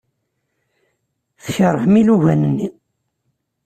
Tkeṛhem ilugan-nni.